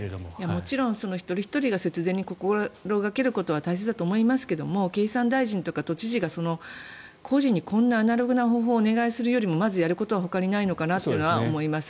もちろん一人ひとりが節電を心掛けることは大切だと思いますけども経産大臣とか都知事が個人にこんなアナログな方法をお願いするよりもまずやることはないのかなと思います。